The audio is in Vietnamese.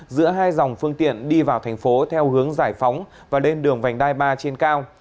giữa hai dòng phương tiện đi vào thành phố theo hướng giải phóng và lên đường vành đai ba trên cao